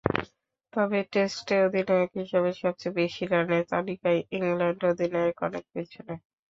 তবে টেস্টে অধিনায়ক হিসেবে সবচেয়ে বেশি রানের তালিকায় ইংল্যান্ড অধিনায়ক অনেক পেছনে।